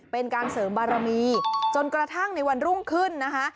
เป็นการเสริมบารมีจนกระทั่งในวันรุ่งขึ้นนะคะ